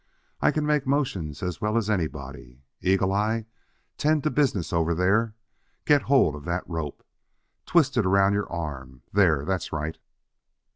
"I can make motions as well as anybody. Eagle eye, tend to business over there. Get hold of that rope. Twist it around your arm. There, that's right."